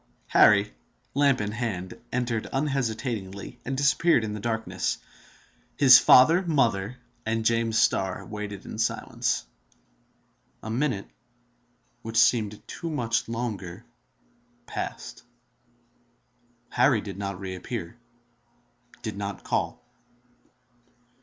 Harry, lamp in hand, entered unhesitatingly, and disappeared in the darkness. His father, mother, and James Starr waited in silence. A minute—which seemed to them much longer—passed. Harry did not reappear, did not call.